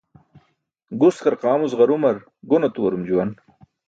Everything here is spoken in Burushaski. Gus qarqaamuc ġarumar gon atuwarum juwan